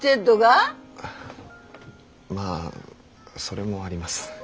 まあそれもあります。